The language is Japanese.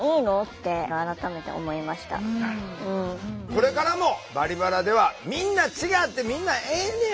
これからも「バリバラ」ではみんな違ってみんなええねやん！